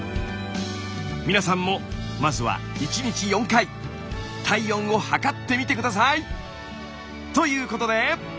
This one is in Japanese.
皆さんもまずは１日４回体温を測ってみて下さい！ということで。